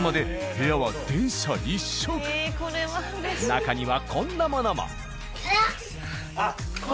中にはこんなものも。